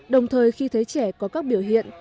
đồng thời khi thấy trẻ có các biểu hiện